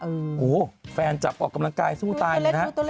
โอ้โหแฟนจับออกกำลังกายสู้ตายเลยนะ